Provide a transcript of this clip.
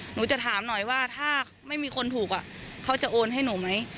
หนูจะถามหน่อยว่าถ้าไม่มีคนถูกเขาจะโอนให้หนูไหม